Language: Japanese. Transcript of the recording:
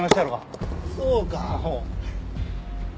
そうか。